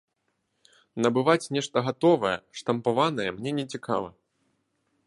Набываць нешта гатовае, штампаванае мне не цікава.